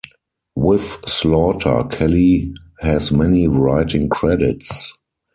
With Slaughter, Kelly has many writing credits.